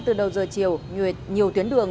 từ đầu giờ chiều nhiều tuyến đường